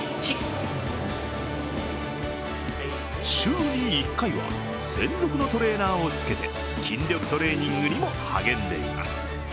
週に１回は専属のトレーナーをつけて筋力トレーニングにも励んでいます。